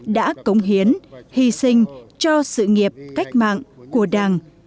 đã cống hiến hy sinh cho sự nghiệp cách mạng của đảng